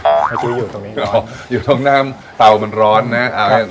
อยู่ตรงนี้ร้อนอ๋ออยู่ตรงหน้าเตามันร้อนนะครับครับ